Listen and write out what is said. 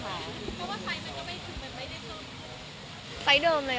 เพราะว่าไซต์มันก็ไม่ถือ